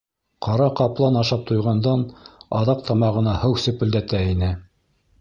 Ҡара ҡаплан ашап туйғандан аҙаҡ тамағына һыу сөпөлдәтә ине.